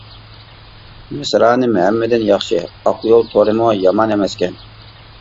مىسرانىم ھەممىدىن ياخشى! ، ئاقيول تورىمۇ يامان ئەمەسكەن.